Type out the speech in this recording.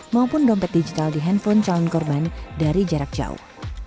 maupun dompet digital di handphone calon korban dari jarak jauh